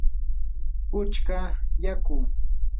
puchka yaku.